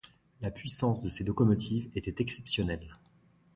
La puissance de ces locomotives était exceptionnelle.